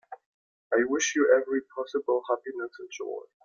I wish you every possible happiness and joy.